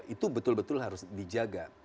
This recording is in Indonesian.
itu betul betul harus dijaga